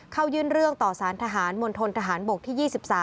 เข้ายื่นเรื่องต่อสารทหารมณฑนทหารบกที่๒๓